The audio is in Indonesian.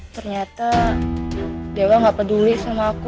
ternyata dewa gak peduli sama aku